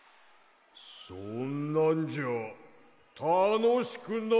そんなんじゃたのしくない！